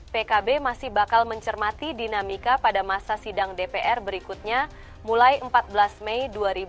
pkb masih bakal mencermati dinamika pada masa sidang dpr berikutnya mulai empat belas mei dua ribu dua puluh